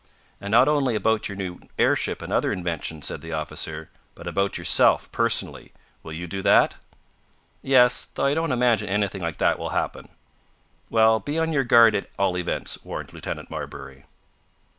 "And not only about your new airship and other inventions," said the officer, "but about yourself, personally. Will you do that?" "Yes, though I don't imagine anything like that will happen." "Well, be on your guard, at all events," warned Lieutenant Marbury.